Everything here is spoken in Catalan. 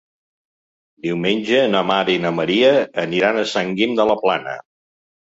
Diumenge na Mar i na Maria aniran a Sant Guim de la Plana.